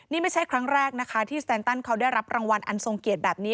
นี่ไม่ใช่ครั้งแรกนะคะที่สแตนตันเขาได้รับรางวัลอันทรงเกียรติแบบนี้